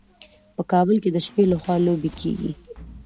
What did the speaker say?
په کابل کې د شپې لخوا لوبې کیږي.